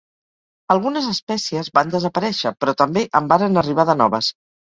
Algunes espècies van desaparèixer, però també en varen arribar de noves.